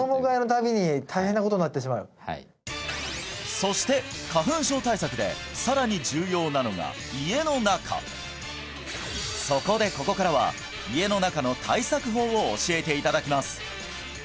そして花粉症対策でさらにそこでここからは家の中の対策法を教えていただきます